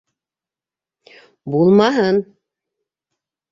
Булмаһын!